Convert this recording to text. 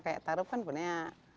kayak taruh kan punya